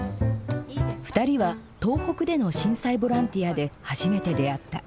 ２人は東北での震災ボランティアで初めて出会った。